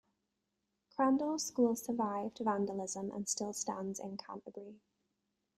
Crandall's school survived vandalism and still stands in Canterbury.